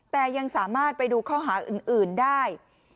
แต่ยังสามารถไปดูข้อหาอื่นได้